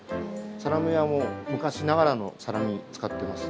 サラミは昔ながらのサラミを使ってます。